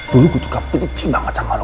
dulu gue juga benci banget sama lo